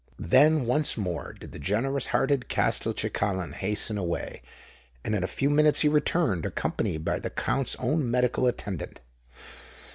Then once more did the generous hearted Castelcicalan hasten away; and in a few minutes he returned, accompanied by the Count's own medical attendant.